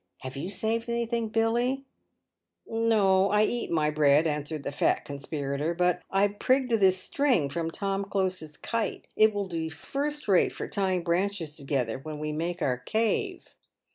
" Have you saved anything, Billy ?"" No, I eat my bread," answered the fat conspirator, " but I've prigged this string from Tom Close's kite. It will do first rate for tying branches together when we make our cave."